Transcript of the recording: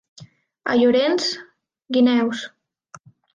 A Llorenç, guineus.